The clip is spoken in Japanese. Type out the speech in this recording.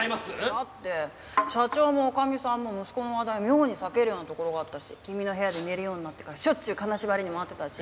だって社長も女将さんも息子の話題妙に避けるようなところがあったし君の部屋で寝るようになってからしょっちゅう金縛りにもあってたし。